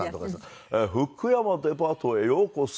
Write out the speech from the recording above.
福山デパートへようこそ。